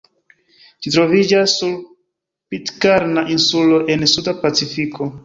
Ĝi troviĝas sur Pitkarna insulo en suda Pacifiko.